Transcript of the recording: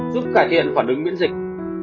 giúp cải thiện phản ứng miễn dịch